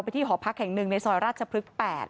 ที่หอพักแห่งหนึ่งในซอยราชพฤกษ์๘